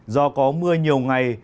do có mưa nhiều ngày